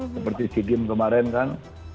seperti sea games kemarin kan